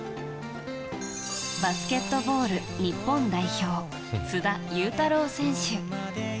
バスケットボール日本代表須田侑太郎選手。